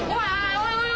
おいおい！